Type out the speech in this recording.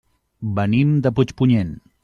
Venim de Puigpunyent.